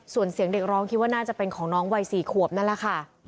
ส่วนเสียงเด็กร้องคิดว่าน่าจะเป็นของน้องวัย๔ขวบนั่นแหละค่ะ